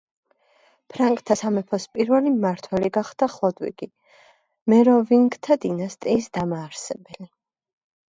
ფრანკთა სამეფოს პირველი მმართველი გახდა ხლოდვიგი, მეროვინგთა დინასტიის დამაარსებელი.